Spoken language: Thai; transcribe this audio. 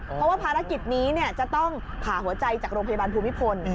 เพราะว่าภารกิจนี้จะต้องผ่าหัวใจจากโรงพยาบาลภูมิพล